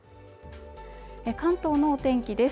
関東のお天気です